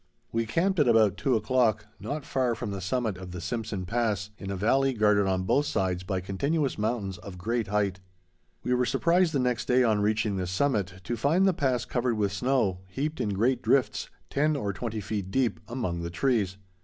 We camped at about two o'clock, not far from the summit of the Simpson Pass, in a valley guarded on both sides by continuous mountains of great height. We were surprised the next day, on reaching the summit, to find the pass covered with snow, heaped in great drifts, ten or twenty feet deep, among the trees.